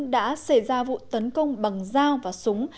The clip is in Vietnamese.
đã xảy ra vụ tấn công bằng dao và súng